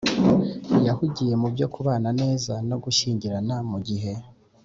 yahugiye mu byo kubana neza no gushyingirana, mu gihe